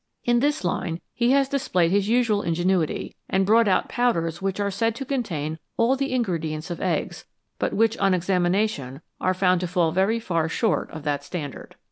In this line he has displayed his usual ingenuity, and brought out powders which are said to contain all the in gredients of eggs, but which on examination are found to fall very far short of that standard.